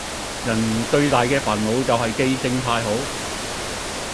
人最大的煩惱就是記性太好